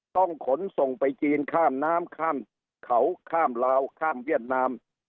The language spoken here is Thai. ต้องขนส่งไปจีนข้ามน้ำข้ามเขาข้ามลาวข้ามเวียดนาม